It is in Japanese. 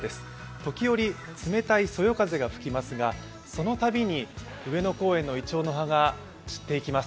時折、冷たいそよ風が吹きますが、そのたびに上野公園のいちょうの葉が散っていきます。